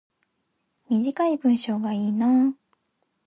短い文章がいいな